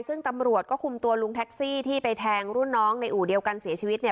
ซึ่งตำรวจก็คุมตัวลุงแท็กซี่ที่ไปแทงรุ่นน้องในอู่เดียวกันเสียชีวิตเนี่ย